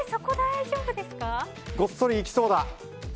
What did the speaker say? ごっそりいきそうだ。